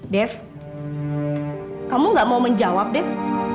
dev kamu enggak mau menjawab dev